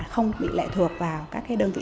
không bị lệ thuộc vào các cái đơn vị